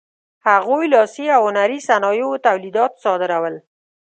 هغوی لاسي او هنري صنایعو تولیدات صادرول.